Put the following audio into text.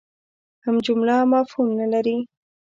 هم جمله مفهوم نه لري.